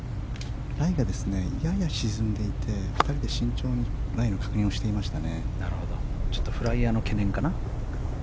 ライがやや沈んでいてラインの確認をしていました。